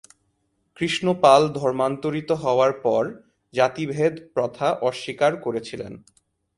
কৃষ্ণ পাল ধর্মান্তরিত হওয়ার পর জাতিভেদ প্রথা অস্বীকার করেছিলেন।